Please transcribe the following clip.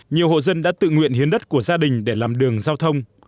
nhiều hộ dân đã tự nguyện hiến đất của gia đình để làm đường giao thông